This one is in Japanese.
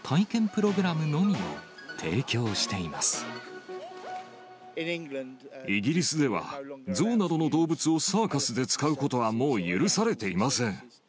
プログライギリスでは、ゾウなどの動物をサーカスで使うことは、もう許されていません。